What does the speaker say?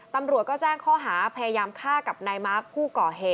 ตำรวจก็แจ้งข้อหาพยายามฆ่ากับนายมาร์ค